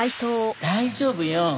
大丈夫よ。